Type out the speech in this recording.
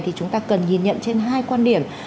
thì chúng ta cần nhìn nhận trên hai quan điểm